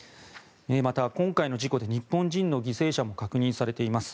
また、今回の事故で日本人の犠牲者も確認されています。